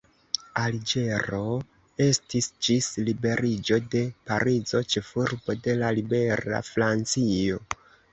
Alĝero estis ĝis liberiĝo de Parizo, ĉefurbo de la libera Francio.